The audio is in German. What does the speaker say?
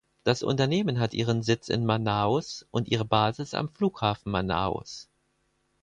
Das Unternehmen hat ihren Sitz in Manaus und ihre Basis am Flughafen Manaus.